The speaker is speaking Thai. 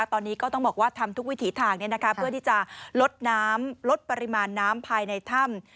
ตอนนี้ก็ต้องบอกว่าทำทุกวิถีทางเพื่อที่จะลดน้ำลดปริมาณน้ำภายในถ้ำ